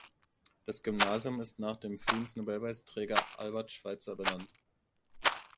Das Gymnasium ist nach dem Friedensnobelpreisträger Albert Schweitzer benannt.